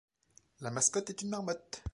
La mascotte est une marmotte.